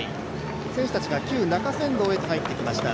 選手たちが旧中山道へと入ってきました。